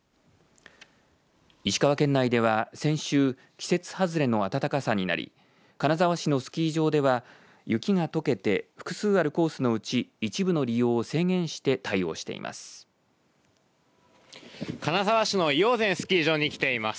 石川県内では先週季節外れの暖かさになり金沢市のスキー場では雪がとけて複数あるコースのうち一部の利用を制限して対応しています。